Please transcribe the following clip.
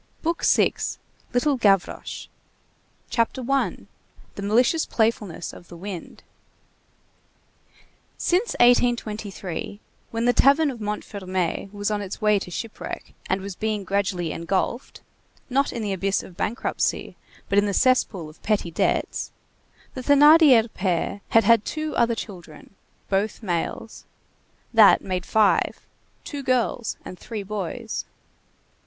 BOOK SIXTH—LITTLE GAVROCHE CHAPTER I—THE MALICIOUS PLAYFULNESS OF THE WIND Since 1823, when the tavern of Montfermeil was on the way to shipwreck and was being gradually engulfed, not in the abyss of a bankruptcy, but in the cesspool of petty debts, the Thénardier pair had had two other children; both males. That made five; two girls and three boys.